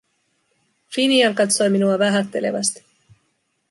Finian katsoi minua vähättelevästi: